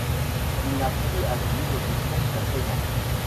Il n'apprit à jouer aux échecs qu'à seize ans.